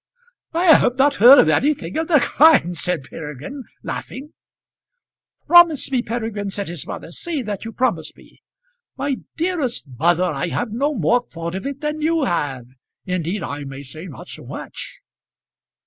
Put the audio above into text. "I have not heard of anything of the kind," said Peregrine, laughing. "Promise me, Peregrine," said his mother. "Say that you promise me." "My dearest mother, I have no more thought of it than you have; indeed I may say not so much."